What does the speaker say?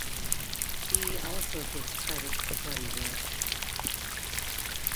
Dee also gives credit to Buddy Rich.